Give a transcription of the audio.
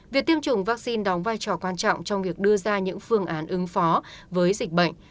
việc tiêm chủng vaccine đóng vai trò quan trọng trong việc đưa ra những phương án ứng phó với dịch bệnh